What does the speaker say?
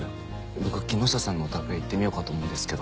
僕木下さんのお宅へ行ってみようかと思うんですけど。